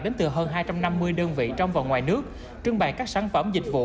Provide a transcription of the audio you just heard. đến từ hơn hai trăm năm mươi đơn vị trong và ngoài nước trưng bày các sản phẩm dịch vụ